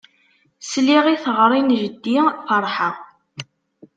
Sliɣ i teɣri n jeddi ferḥeɣ.